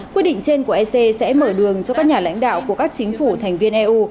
quyết định trên của ec sẽ mở đường cho các nhà lãnh đạo của các chính phủ thành viên eu